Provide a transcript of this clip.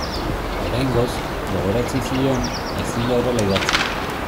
Oraingoz, gogoratzen zion, ezin da horrela idatzi.